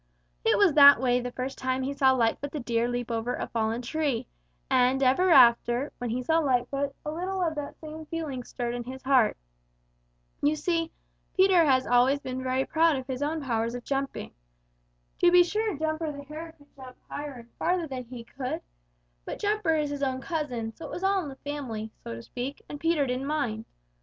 It was that way the first time he saw Lightfoot the Deer leap over a fallen tree, and ever after, when he saw Lightfoot, a little of that same feeling stirred in his heart. You see, Peter always had been very proud of his own powers of jumping. To be sure Jumper the Hare could jump higher and farther than he could, but Jumper is his own cousin, so it was all in the family, so to speak, and Peter didn't mind.